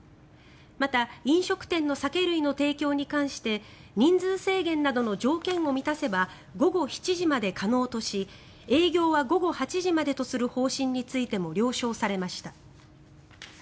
また飲食店の酒類の提供に関して人数制限などの条件を満たせば午後７時まで可能とし営業は午後８時までとする方針についても了承されました。